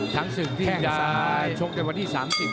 ทั้งสึกที่ข้างซ้ายชกกันวันที่สามสิบ